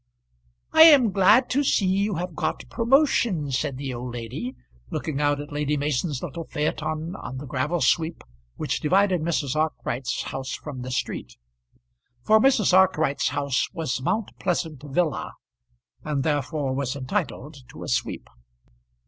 "I am glad to see you have got promotion," said the old lady, looking out at Lady Mason's little phaeton on the gravel sweep which divided Mrs. Arkwright's house from the street. For Mrs. Arkwright's house was Mount Pleasant Villa, and therefore was entitled to a sweep.